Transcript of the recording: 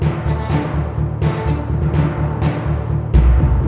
ร้องได้ร้องได้